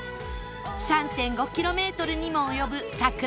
３．５ キロメートルにも及ぶ桜並木